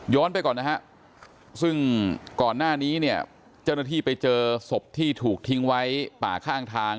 ไปก่อนนะฮะซึ่งก่อนหน้านี้เนี่ยเจ้าหน้าที่ไปเจอศพที่ถูกทิ้งไว้ป่าข้างทาง